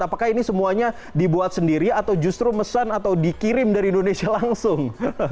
apakah ini semuanya dibuat sendiri atau justru mesan atau dikirim dari indonesia langsung